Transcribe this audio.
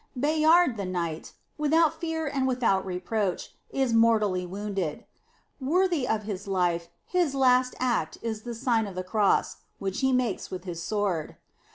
"f Bayard, the knight "without fear and without reproach," is mor tally wounded. Worthy of his life, his last act is the Sign of the Cross, which he makes with his sword.